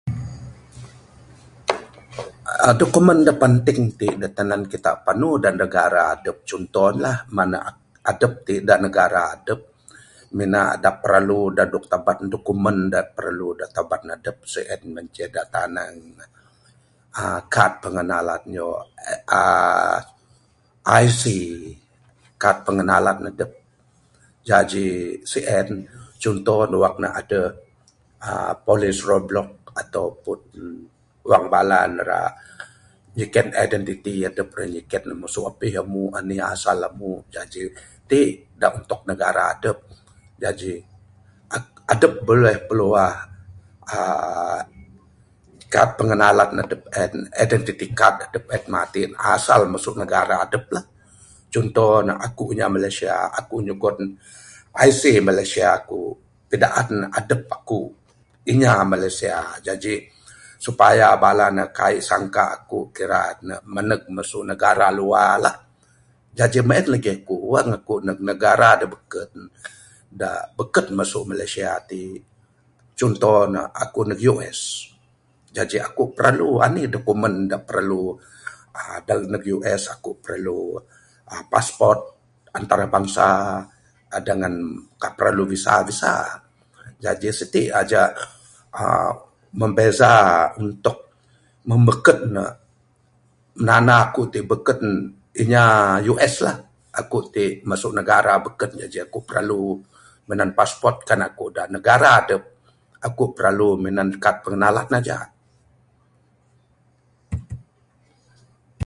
aaa Document penting ti dak tinan kita panu dak negara dep contohlah mana adep ti negara adep mina dak perlu dak dok teban document dak perlu dak teban adep sien mah ceh dak tanang aaa kad pengenalan aaa ic kad pengenalan adep. Jaji sien contoh wang adeh aaa polis roadblocks ataupun wang bala ne ira nyiken identity adep ira nyiken mesu apih amu anih asal amu, jaji ti dak untuk negara adep. Jaji adep buleh piluah aaa kad pengenalan adep en identity card adep en matik asal mesu negara adeplah. Contoh ne aku inya Malaysia aku nyugon ic Malaysia ku pidaan adep aku inya Malaysia. Jaji supaya bala ne kai sangka aku kira ne mendek mesu negara luarlah. Jaji mung en legi ku wang ku ndek negara dak beken dak beken mesu Malaysia ti, contoh ne aku ndek US jadi aku perlu enih document dak perlu aaa dak ndek US ku perlu aaa passport antarabangsa dengan kan perlu visa-visa. Jadi siti ajak aaa membeza untuk membeken ne nanda ku ti beken inya US lah, aku ti mesu negara beken jaji aku perlu minan passport kan aku dak negara adep aku perlu minan kad pengenalan aja.